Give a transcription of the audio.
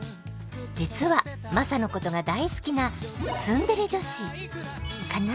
実はマサのことが大好きなツンデレ女子カナ？